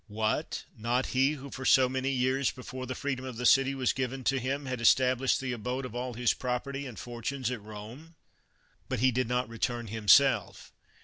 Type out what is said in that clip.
'* What, not he who for so many years before the freedom of the city was given to him, had established the abode of all his property and fortunes at Rome? But he did not return himself."